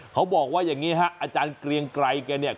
เขาบอกว่าอย่างนี้ฮะอาจารย์เกรียงไกรแกเนี่ย